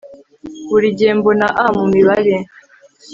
Buri gihe mbona A mu mibare